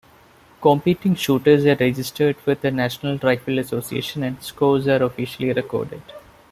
Competing shooters are registered with the National Rifle Association and scores are officially recorded.